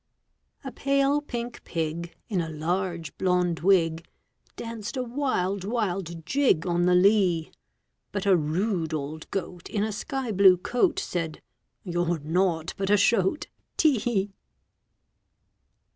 A pale pink pig, In a large blond wig, Danced a wild, wild jig On the lea; But a rude old goat, In a sky blue coat, Said, "You're nought but a shoat, tee hee!"